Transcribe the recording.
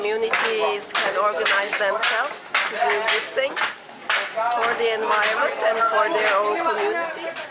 untuk kesehatan dan untuk komunitas mereka sendiri